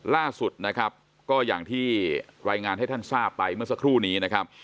ล่าสุดนะครับก็อย่างที่รายงานให้ท่านทราบไปเมื่อสักครู่นี้นะครับ